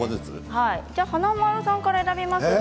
華丸さんから選びますか。